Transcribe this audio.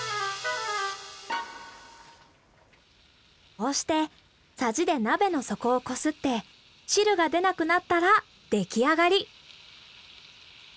こうしてサジで鍋の底をこすって汁が出なくなったら出来上がり。